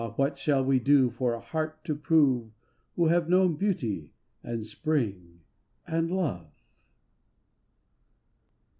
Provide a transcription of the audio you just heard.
what shall we do for a heart to prove, Who have known Beauty, and Spring, and Love?